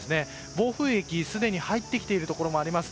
暴風域、すでに入ってきているところもあります。